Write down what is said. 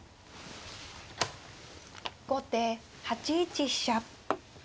後手８一飛車。